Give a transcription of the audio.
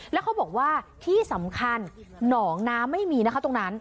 แล้วเขาบอกว่าที่สำคัญหนองน้ำไม่มีนะคะตรงนั้น